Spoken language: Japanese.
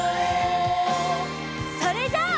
それじゃあ。